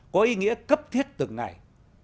có ý nghĩa cấp thiết từng ngày